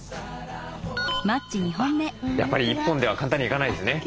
やっぱり１本では簡単にはいかないですね。